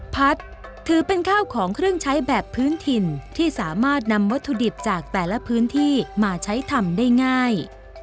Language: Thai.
พัดถือเป็นข้าวของเครื่องใช้แบบพื้นถิ่นที่สามารถนำวัตถุดิบจากแต่ละพื้นที่มาใช้ทำได้ง่าย